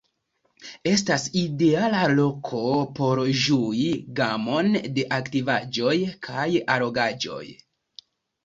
Estas ideala loko por ĝui gamon de aktivaĵoj kaj allogaĵoj.